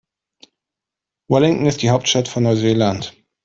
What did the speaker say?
Wellington ist die Hauptstadt von Neuseeland.